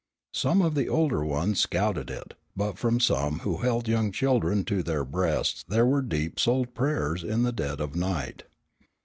Some of the older ones scouted it, but from some who held young children to their breasts there were deep souled prayers in the dead of night.